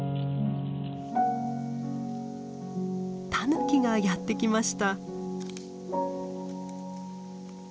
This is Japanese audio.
タヌキがやって来ました。